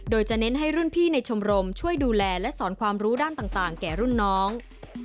โดยจะเน้นให้รุ่นพี่ในชมรมช่วยดูแลและสอนความรู้ด้านต่างแก่รุ่นน้อง